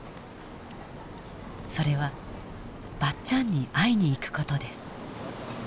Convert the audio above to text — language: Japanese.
それはばっちゃんに会いに行く事です。